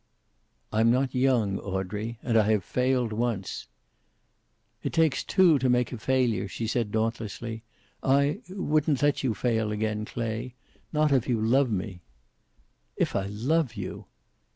"I'm not young, Audrey. And I have failed once." "It takes two to make a failure," she said dauntlessly. "I wouldn't let you fail again, Clay. Not if you love me." "If I love you!"